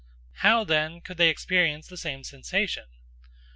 How, then, could they experience the same sensation?